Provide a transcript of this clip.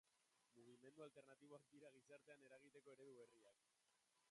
Mugimendu alternatiboak dira gizartean eragiteko eredu berriak.